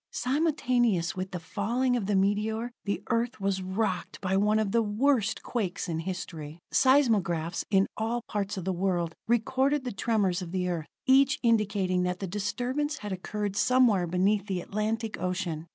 Simultaneous with the falling of the meteor, the Earth was rocked by one of the worst quakes in history. Seismographs in all parts of the world recorded the tremors of the Earth, each indicating that the disturbance had occurred somewhere beneath the Atlantic ocean.